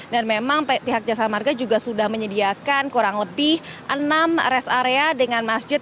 dan memang pihak jasa marga juga sudah menyediakan kurang lebih enam rest area dengan masjid